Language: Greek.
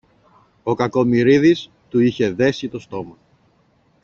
ο Κακομοιρίδης του είχε δέσει το στόμα